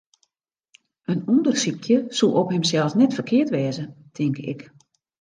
In ûndersykje soe op himsels net ferkeard wêze, tink ik.